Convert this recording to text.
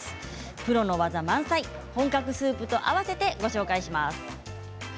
プロの技満載、本格スープと合わせてご紹介します。